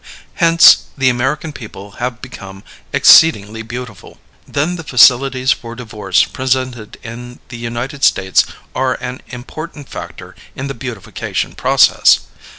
Hence, the American people have become exceedingly beautiful. Then the facilities for divorce presented in the United States are an important factor in the beautification process.